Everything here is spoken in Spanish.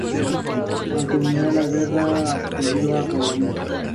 Ningún nuevo sencillo fue programado.